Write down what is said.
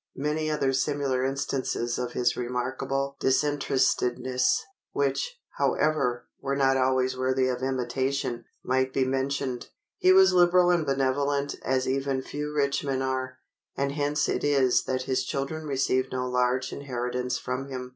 Many other similar instances of his remarkable disinterestedness, which, however, were not always worthy of imitation, might be mentioned. He was liberal and benevolent as even few rich men are, and hence it is that his children received no large inheritance from him.